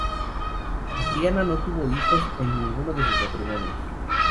Adriana no tuvo hijos en ninguno de sus matrimonios.